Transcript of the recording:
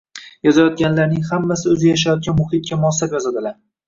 Yozayotganlarning hammasi o’zi yashayotgan muhitga moslab yozadilar